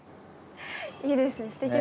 いいですね